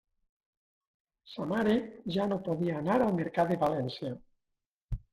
Sa mare ja no podia anar al Mercat de València.